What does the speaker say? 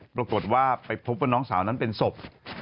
ปรากฏว่าไปพบว่าน้องสาวนั้นเป็นศพ